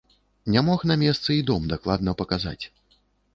Не мог на месцы і дом дакладна паказаць.